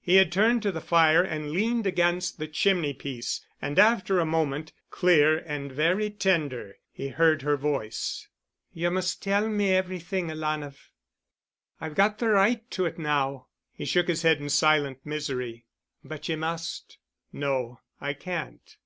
He had turned to the fire and leaned against the chimney piece. And after a moment, clear and very tender, he heard her voice. "You must tell me everything, alanah. I've got the right to it now." He shook his head in silent misery. "But you must." "No. I can't."